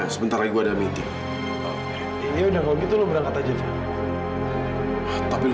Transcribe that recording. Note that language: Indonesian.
sampai jumpa di video selanjutnya